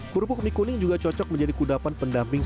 kerupuk mie kuning juga cocok menjadi kudapan pendamping